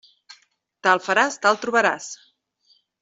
Tal faràs, tal trobaràs.